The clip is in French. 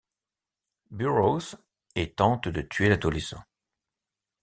Burrows, et tente de tuer l'adolescent.